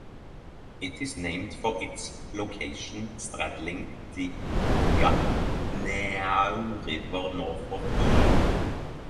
It is named for its location straddling the Gatineau River north of Low.